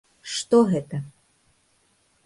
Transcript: Што гэта?